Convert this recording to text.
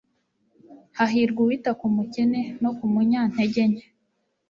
hahirwa uwita ku mukene no ku munyantege nke